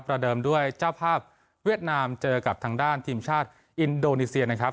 เดิมด้วยเจ้าภาพเวียดนามเจอกับทางด้านทีมชาติอินโดนีเซียนะครับ